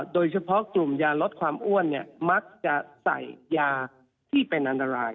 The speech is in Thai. โดยเฉพาะกลุ่มยาลดความอ้วนมักจะใส่ยาที่เป็นอันตราย